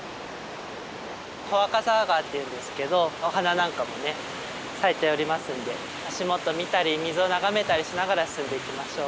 小赤沢川っていうんですけどお花なんかもね咲いておりますんで足元見たり水を眺めたりしながら進んでいきましょう。